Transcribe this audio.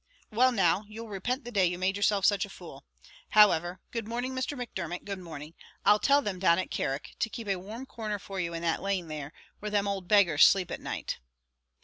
"Well now; you'll repent the day you made yourself such a fool. However, good morning, Mr. Macdermot good morning; I'll tell them down at Carrick, to keep a warm corner for you in the lane there, where them old beggars sleep at night!"